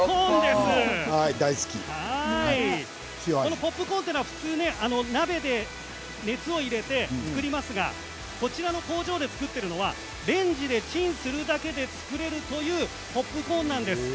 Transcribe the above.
ポップコーンは普通ね鍋で熱を入れて作りますがこちらの工場で作っているのはレンジでチンするだけで作られるポップコーンです。